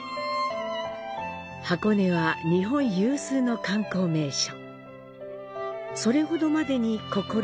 箱根は日本有数の観光名所。